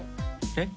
えっ？